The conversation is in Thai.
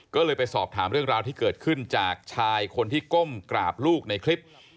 ก็เลยไปสอบถามเรื่องราวที่เกิดขึ้นจากชายคนที่ก้มกราบลูกในคลิป